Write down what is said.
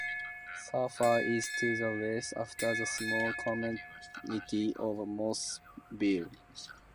Sulphur is to the west, after the small community of Mossville.